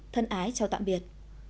thân ái chào tạm biệt